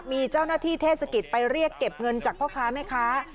มีเจ้าหน้าที่เทศกิจไปเรียกเก็บเงินจากพ่อค้าแม่ค้า